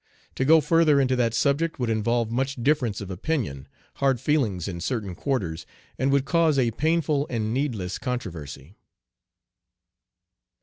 To go further into that subject would involve much difference of opinion, hard feelings in certain quarters, and would cause a painful and needless controversy.